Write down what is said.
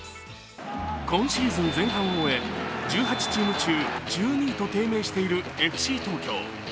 今シーズン前半を終え、１８チーム中１２位と低迷しているＦＣ東京。